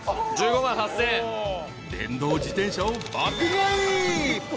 ［電動自転車を爆買い。